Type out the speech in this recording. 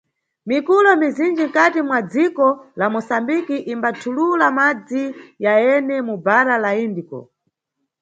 Mikulo mizinji nkhati mwa dziko la Moçambique imbathulula madzi yayene mu bhara la Indiko.